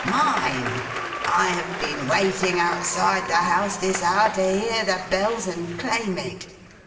Mine! I have been waiting outside the house, this hour, to hear the Bells and claim it.